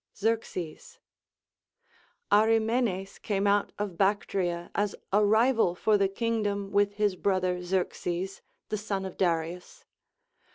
Xerxes. Arimenes came out of Bactria as a rival for the kingdom with his brother Xerxes, the son of Darius.